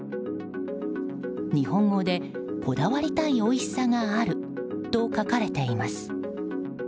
日本語でこだわりたい美味しさがあると書かれています。